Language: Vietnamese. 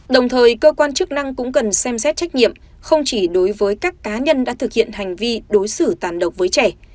đồng thời cơ quan chức năng cũng cần xem xét trách nhiệm không chỉ đối với các cá nhân đã thực hiện hành vi đối xử tàn độc với trẻ